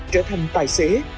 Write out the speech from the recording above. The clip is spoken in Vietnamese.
trở thành tài xế